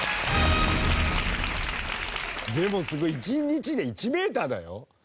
でもすごい１日で１メーターだよ？